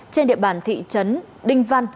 trên địa bàn thị trấn đinh văn